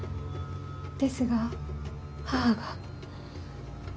ですが母が。